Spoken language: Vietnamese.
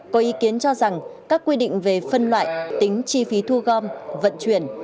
có ý kiến cho rằng các quy định về phân loại tính chi phí thu gom vận chuyển